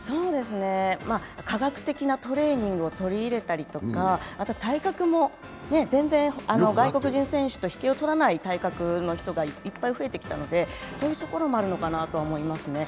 科学的なトレーニングを取り入れたりとか体格も全然外国人選手と引けをとらない体格の人がいっぱい増えてきたので、そういうところもあるのかなとは思いますね。